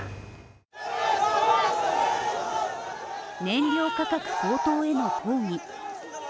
燃料価格高騰への抗議。